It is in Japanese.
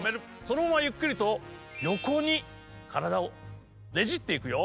そのままゆっくりとよこにからだをねじっていくよ。